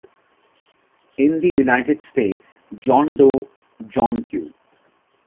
In the United States, John Doe, John Q.